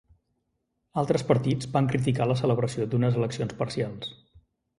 Altres partits van criticar la celebració d'unes eleccions parcials.